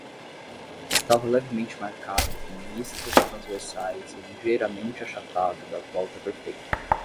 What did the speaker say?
Estava levemente marcado com listras transversais e ligeiramente achatado da volta perfeita.